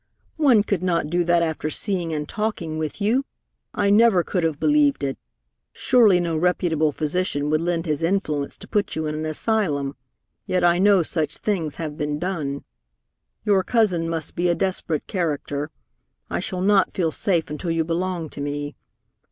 "One could not do that after seeing and talking with you. I never could have believed it. Surely no reputable physician would lend his influence to put you in an asylum, yet I know such things have been done. Your cousin must be a desperate character. I shall not feel safe until you belong to me.